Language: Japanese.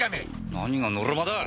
何がのろまだ！